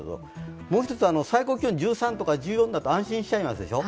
もう一つ、最高気温１３とか１４だと安心しちゃいますでしょう。